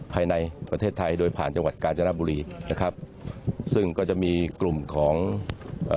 ภายในประเทศไทยโดยผ่านจังหวัดกาญจนบุรีนะครับซึ่งก็จะมีกลุ่มของเอ่อ